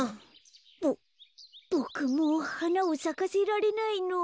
ボボクもうはなをさかせられないの？